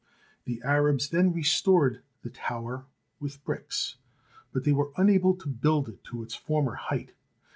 The Arabs then restored the tower with bricks, but they were unable to build it to its former height.